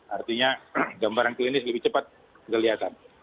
artinya gambaran klinis lebih cepat kelihatan